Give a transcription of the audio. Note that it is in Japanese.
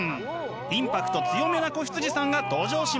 インパクト強めな子羊さんが登場します！